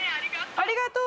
ありがとう。